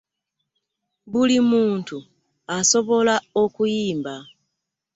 Buli muntu asoboola okuyimba.